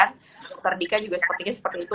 dokter dika juga sepertinya seperti itu